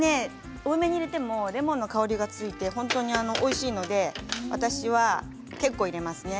多めに入れても、レモンの香りがついておいしいので私は結構、入れますね。